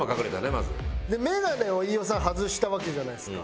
まず。でメガネを飯尾さん外したわけじゃないですか。